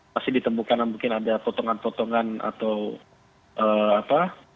masih ditemukan mungkin ada potongan potongan atau apa